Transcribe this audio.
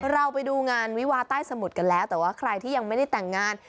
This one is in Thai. เราไปดูงานวิวาใต้สมุทรกันแล้วแต่ว่าใครที่ยังไม่ได้แต่งงาน